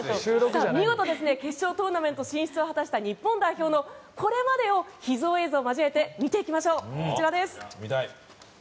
見事、決勝トーナメント進出を果たした日本代表のこれまでを秘蔵映像を交えて見ていきましょう。